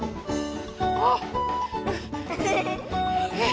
あっ。